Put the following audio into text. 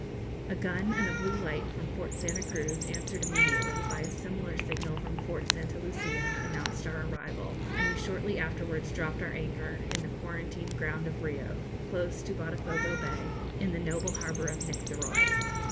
A gun and a blue light from Fort Santa Cruz, answered immediately by a similar signal from Fort Santa Lucia, announced our arrival, and we shortly afterwards dropped our anchor in the quarantine ground of Rio close to Botafogo Bay, in the noble harbour of Nictheroy.